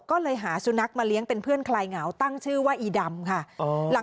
ก็เลยหาสุนัขมาเลี้ยงเป็นเพื่อนคลายเหงาตั้งชื่อว่าอีดำค่ะ